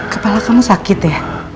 kepala kamu sakit ya